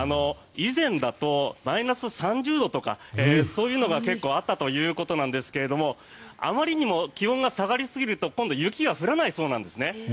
以前だとマイナス３０度とかそういうのが結構あったということですがあまりにも気温が下がりすぎると今度雪が降らないそうなんですね。